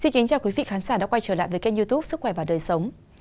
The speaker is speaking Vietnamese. chào các quý vị khán giả đã quay trở lại với kênh youtube sức khỏe và đời sống